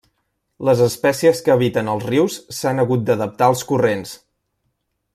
Les espècies que habiten els rius s'han hagut d'adaptar als corrents.